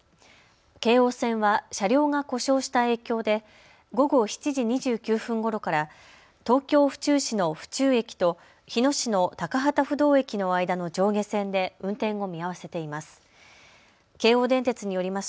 京王線は車両が故障した影響で午後７時２９分ごろから東京府中市の府中駅と日野市の高幡不動駅の間の上下線で運転を見合わせています。